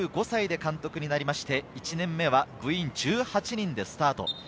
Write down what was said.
２５歳で監督になりまして、１年目は部員１８人でスタート。